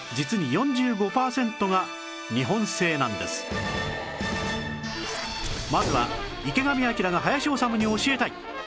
実はまずは池上彰が林修に教えたい！